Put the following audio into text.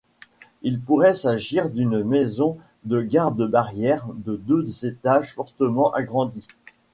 Il pourrait s'agir d'une maison de garde-barrière de deux étages fortement agrandie.